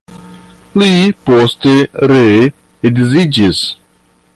Li poste ree edziĝis.